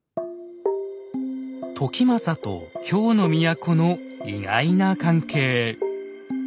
時政と京の都の意外な関係。